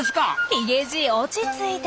ヒゲじい落ち着いて。